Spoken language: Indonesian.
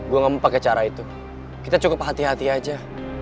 gue gak mau pakai cara itu kita cukup hati hati aja